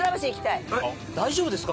大丈夫ですか？